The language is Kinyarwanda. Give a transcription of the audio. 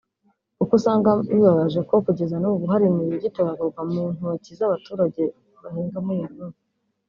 kuko usanga bibabaje ko kugeza nubu hari imibiri igitoragurwa mu ntoki z’abaturage bahingamo uyu munsi